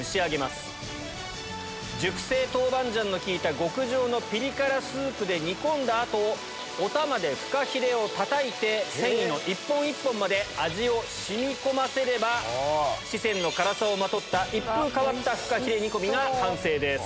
熟成豆板醤の効いた極上のピリ辛スープで煮込んだ後おたまでフカヒレをたたいて繊維の一本一本まで味を染み込ませれば四川の辛さをまとった一風変わったフカヒレ煮込みが完成です。